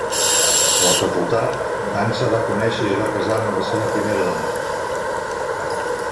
A la facultat, Danza va conèixer i es va casar amb la seva primera dona.